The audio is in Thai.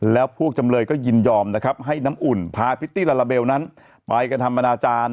แล้วพวกจำเลยก็ยินยอมนะครับให้น้ำอุ่นพาพิตตี้ลาลาเบลนั้นไปกระทำอนาจารย์